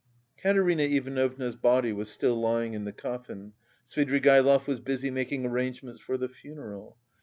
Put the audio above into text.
Katerina Ivanovna's body was still lying in the coffin, Svidrigaïlov was busy making arrangements for the funeral.